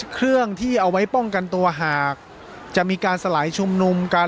เครื่องที่เอาไว้ป้องกันตัวหากจะมีการสลายชุมนุมกัน